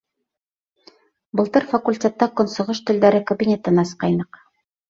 Былтыр факультетта Көнсығыш телдәре кабинетын асҡайныҡ.